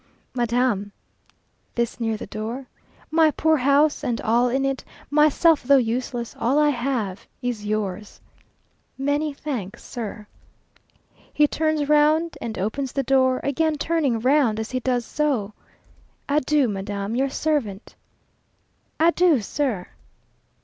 "Madam!" (this near the door) "my poor house, and all in it, myself though useless, all I have, is yours." "Many thanks, sir." He turns round and opens the door, again turning round as he does so. "Adieu, madam! your servant." "Adieu, sir."